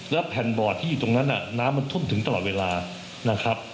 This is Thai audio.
แล้วแผ่นบอร์ดที่อยู่ตรงนั้นน้ำมันท่วมถึงตลอดเวลานะครับ